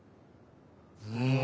うん。